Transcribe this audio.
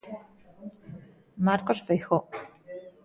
Marcos Feijóo.